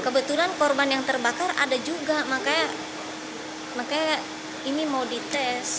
kebetulan korban yang terbakar ada juga makanya ini mau dites